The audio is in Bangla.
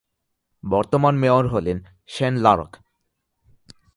বর্তমান মেয়র হলেন শেন লারক।